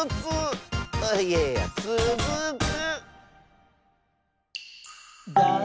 いやいやつづく！